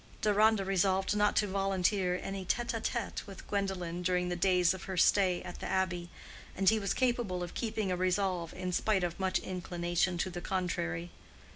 Deronda resolved not to volunteer any tête à tête with Gwendolen during the days of her stay at the Abbey; and he was capable of keeping a resolve in spite of much inclination to the contrary.